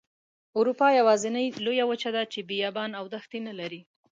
اروپا یوازینۍ لویه وچه ده چې بیابانه او دښتې نلري.